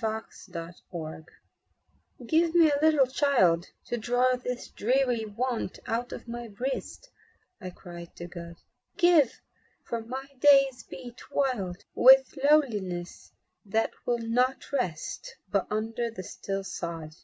THE CHILD GOD GAVE "Give me a little child To draw this dreary want out of my breast," I cried to God. "Give, for my days beat wild With loneliness that will not rest But under the still sod!"